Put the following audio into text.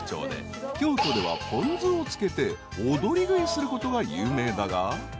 ［京都ではポン酢をつけて踊り食いすることが有名だが］